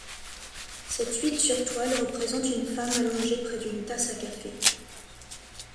Cette huile sur toile représente une femme allongée près d'une tasse à café.